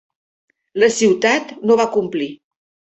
La ciutat no va complir.